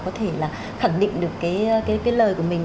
có thể là khẳng định được cái lời của mình